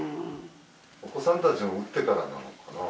お子さんたちも打ってからなのかな。